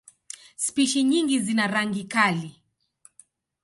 Spishi nyingi zina rangi kali.